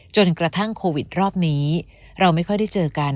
จนกระทั่งโควิดรอบนี้เราไม่ค่อยได้เจอกัน